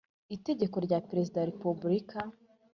itegeko rya Perezida wa Repubulika